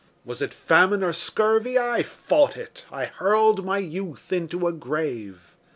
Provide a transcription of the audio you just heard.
Was it famine or scurvy I fought it; I hurled my youth into a grave.